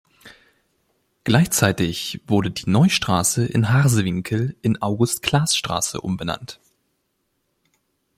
Gleichzeitig wurde die Neustraße in Harsewinkel in August-Claas-Straße umbenannt.